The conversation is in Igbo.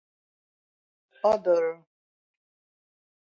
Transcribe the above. ọ dọrọ